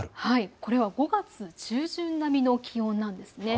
これは５月中旬並みの気温なんです。